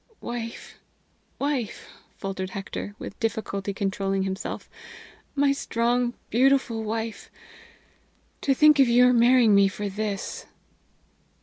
"Wife! wife!" faltered Hector, with difficulty controlling himself; "my strong, beautiful wife! To think of your marrying me for this!"